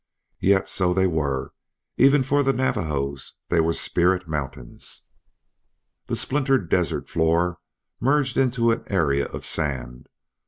Yet so they were; even for the Navajos they were spirit mountains. The splintered desert floor merged into an area of sand.